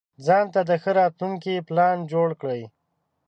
ځانته د ښه راتلونکي پلان جوړ کړئ.